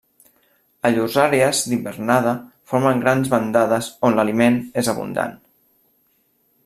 A llurs àrees d'hivernada formen grans bandades on l'aliment és abundant.